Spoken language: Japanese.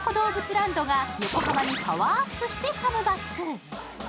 ＬＡＮＤが横浜にパワーアップしてカムバック。